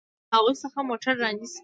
زموږ کسان له هغوى څخه موټر رانيسي.